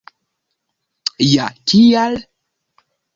Ja kial?